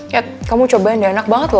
kat kamu cobain deh enak banget loh